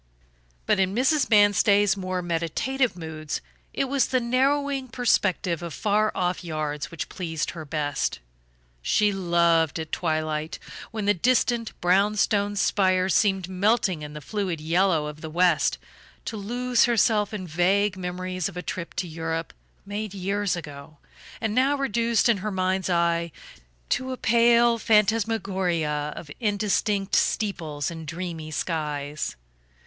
But in Mrs. Manstey's more meditative moods it was the narrowing perspective of far off yards which pleased her best. She loved, at twilight, when the distant brown stone spire seemed melting in the fluid yellow of the west, to lose herself in vague memories of a trip to Europe, made years ago, and now reduced in her mind's eye to a pale phantasmagoria of indistinct steeples and dreamy skies.